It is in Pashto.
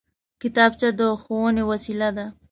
کتابچه د ښوونې وسېله ده